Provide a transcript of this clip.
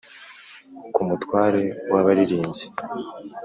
Ku mutware w abaririmbyi